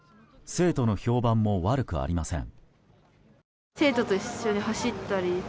生徒の評判も悪くありません。